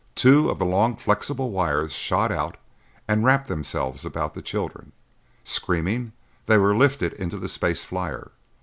Two of the long flexible wires shot out and wrapped themselves about the children; screaming, they were lifted into the space flyer.